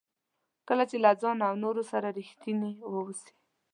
کله چې له ځان او نورو سره ریښتیني واوسئ.